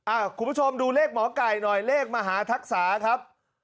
คุณผู้ชมดูเลขหมอไก่หน่อยเลขมหาทักษาครับ